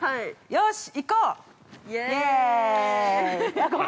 よし、行こう。